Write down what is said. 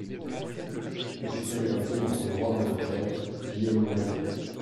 Il s'était révolté contre le roi d'Angleterre Guillaume le Roux.